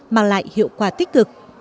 mang lại hiệu quả tích cực